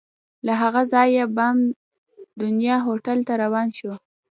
له هغه ځایه بام دنیا هوټل ته روان شوو.